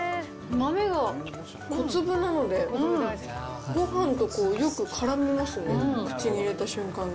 豆が小粒なので、ごはんとよくからみますね、口に入れた瞬間に。